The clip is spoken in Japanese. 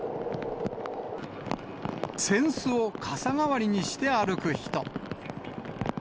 扇子を傘代わりにして歩く人。